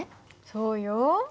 そうよ。